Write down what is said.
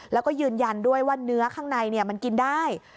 แล้วก็ยืนยันด้วยว่าเนื้อข้างในมันกินได้